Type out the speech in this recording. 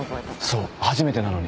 そう初めてなのに。